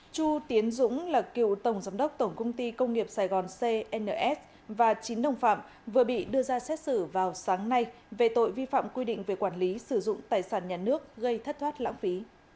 chu tiến dũng là cựu tổng giám đốc tổng công ty công nghiệp sài gòn cns và chín đồng phạm vừa bị đưa ra xét xử vào sáng nay về tội vi phạm quy định về quản lý sử dụng tài sản nhà nước gây thất thoát lãng phí